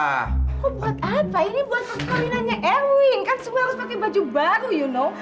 oh buat apa ini buat perempuan lainnya erwin kan semua harus pake baju baru you know